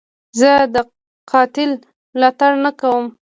زه د قاتل ملاتړ نه کوم.